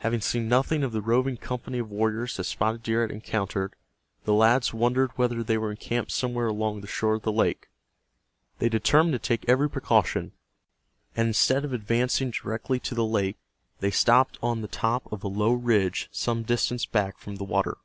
Having seen nothing of the roving company of warriors that Spotted Deer had encountered, the lads wondered whether they were encamped somewhere along the shore of the lake. They determined to take every precaution, and instead of advancing directly to the lake they stopped on the top of a low ridge some distance back from the water.